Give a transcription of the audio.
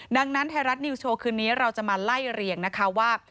ดังนั้นไทยรัฐนิวสโชว์คืนนี้เราจะมาไล่เรียงนะคะว่า